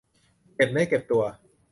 เก็บเนื้อเก็บตัว